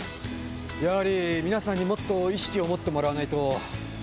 やはり皆さんにもっと意識を持ってもらわないと。